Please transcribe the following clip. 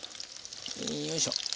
よいしょ。